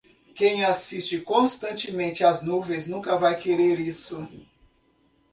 Quem assiste constantemente as nuvens nunca vai querer isso.